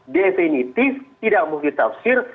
definitif tidak mungkin tafsir